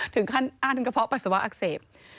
ถึงกระเพาะปัสสาวะอักเสบ